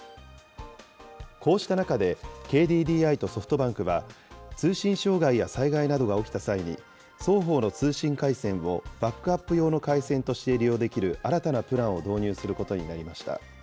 こうした中で、ＫＤＤＩとソフトバンクは、通信障害や災害などが起きた際に、双方の通信回線をバックアップ用の回線として利用できる新たなプランを導入することになりました。